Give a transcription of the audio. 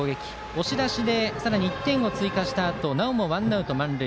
押し出しでさらに１点を追加したあとなおもワンアウト満塁。